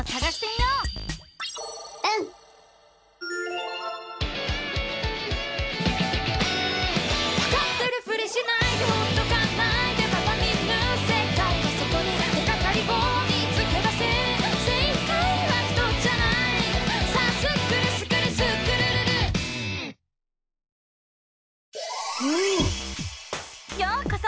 ようこそ！